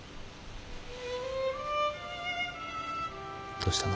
どうしたの？